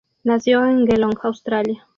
Nació en Geelong, Australia.